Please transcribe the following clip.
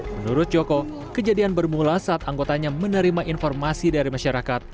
menurut joko kejadian bermula saat anggotanya menerima informasi dari masyarakat